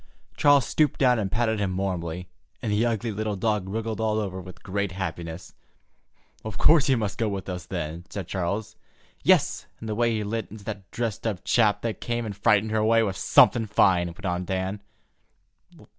Charles stooped down and patted him warmly, and the ugly little dog wriggled all over with great happiness, "Of course he must go with us, then," said Charles. "Yes, and the way he lit into that dressed up chap that came and frightened her away was something fine," went on Dan.